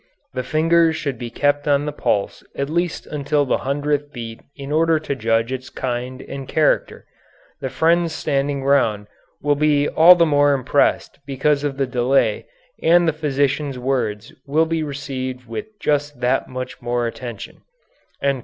The fingers should be kept on the pulse at least until the hundredth beat in order to judge its kind and character; the friends standing round will be all the more impressed because of the delay and the physician's words will be received with just that much more attention."